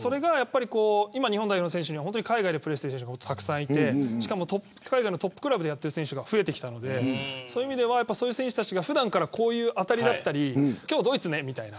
今、日本代表の選手は海外でプレーしている選手がたくさんいてしかも海外のトップクラブでやってる選手が増えてきたのでそういった選手たちが普段からこういう当たりだったり今日ドイツね、みたいな。